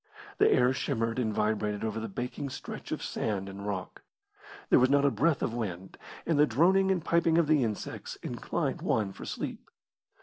The air shimmered and vibrated over the baking stretch of sand and rock. There was not a breath of wind, and the droning and piping of the insects inclined one for sleep.